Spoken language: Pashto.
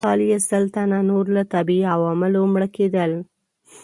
بل کال یې سل تنه نور له طبیعي عواملو مړه کېدل.